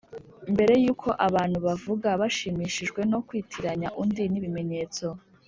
“mbere yuko abantu bavuga, bashimishijwe no kwitiranya undi n'ibimenyetso